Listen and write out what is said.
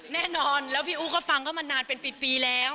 แน่นอนแล้วพี่อู๋ก็ฟังเข้ามานานเป็นปีแล้ว